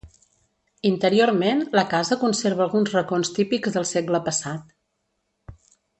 Interiorment la casa conserva alguns racons típics del segle passat.